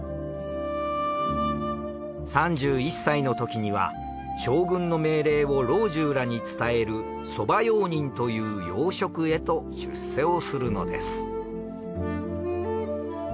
３１歳のときには将軍の命令を老中らに伝える側用人という要職へと出世をするのです。